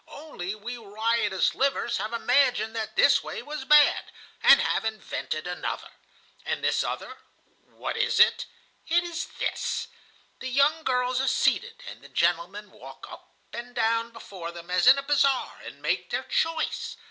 "Only we riotous livers have imagined that this way was bad, and have invented another. And this other,—what is it? It is this. The young girls are seated, and the gentlemen walk up and down before them, as in a bazaar, and make their choice.